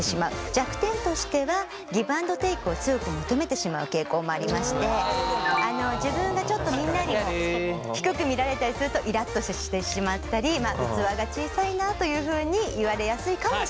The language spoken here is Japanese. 弱点としてはギブアンドテークを強く求めてしまう傾向もありまして自分がちょっとみんなに低く見られたりするとイラっとしてしまったり器が小さいなというふうに言われやすいかもしれません。